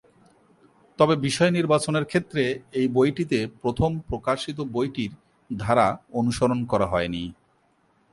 তবে বিষয় নির্বাচনের ক্ষেত্রে এই বইটিতে প্রথম প্রকাশিত বইটির ধারা অনুসরণ করা হয়নি।